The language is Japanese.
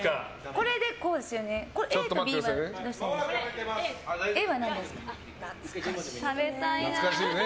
これで、こうですよね。